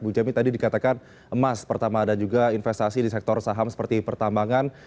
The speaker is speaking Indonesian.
bu jami tadi dikatakan emas pertama dan juga investasi di sektor saham seperti pertambangan